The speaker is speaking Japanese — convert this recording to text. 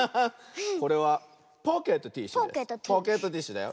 これはポケットティッシュです。